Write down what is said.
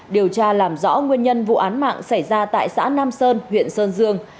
điều tra làm rõ nguyên nhân vụ án mạng xảy ra tại xã nam sơn huyện sơn dương